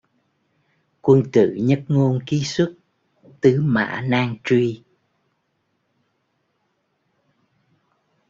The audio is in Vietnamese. Quân tử nhất ngôn kí xuất, tứ mã nan truy